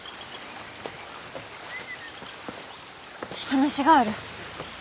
話がある。